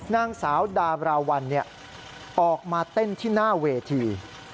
นางสาวดาบราวัลออกมาเต้นที่หน้าเวที